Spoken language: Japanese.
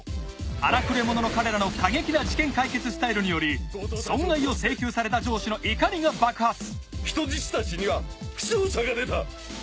荒くれ者の彼らの過激な事件解決スタイルにより損害を請求された上司の怒りが爆発人質たちには負傷者が出た。